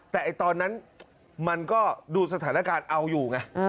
แต่ตอนนั้นมันก็ดูสถานการณ์เอาอยู่ไง